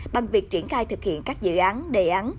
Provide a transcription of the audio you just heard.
bằng việc triển khai thực hiện các dự án đề án